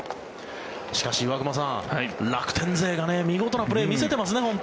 しかし岩隈さん、楽天勢が見事なプレーを見せていますね。